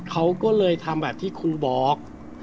เขาก็เลยทำแบบที่ครูบอก